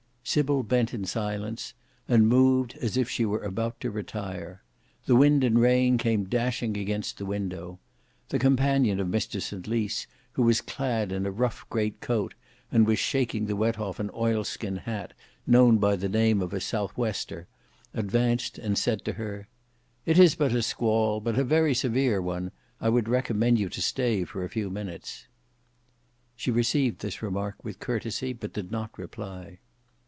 Sybil bent in silence, and moved as if she were about to retire: the wind and rain came dashing against the window. The companion of Mr St Lys, who was clad in a rough great coat, and was shaking the wet off an oilskin hat known by the name of a 'south wester,' advanced and said to her, "It is but a squall, but a very severe one; I would recommend you to stay for a few minutes." She received this remark with courtesy but did not reply.